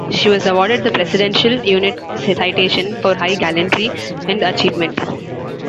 She was awarded the Presidential Unit Citation for high gallantry and achievement.